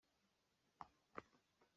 Si le zu cu cawh hlah.